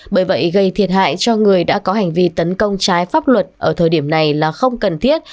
bởi vậy gây thiệt hại cho người đã có hành vi tấn công trái pháp luật ở thời điểm này là không cần thiết